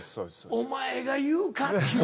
お前が言うかって。